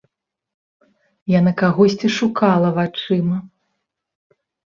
Яна кагосьці шукала вачыма.